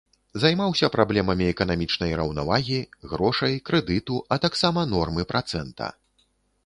Займаўся праблемамі эканамічнай раўнавагі, грошай, крэдыту, а таксама нормы працэнта.